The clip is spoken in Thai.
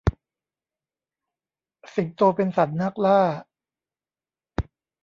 สิงโตเป็นสัตว์นักล่า